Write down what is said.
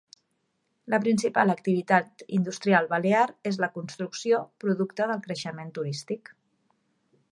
La principal activitat industrial balear és la construcció, producte del creixement turístic.